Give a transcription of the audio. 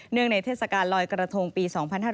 เนื่องในเทศกาลลอยกระทงปี๒๕๕๘